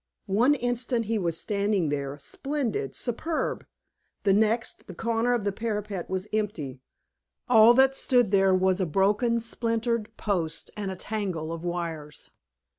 One instant he was standing there, splendid, superb; the next, the corner of the parapet was empty, all that stood there was a broken, splintered post and a tangle of wires.